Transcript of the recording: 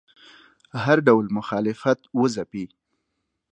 هر ډول مخالفت وځپي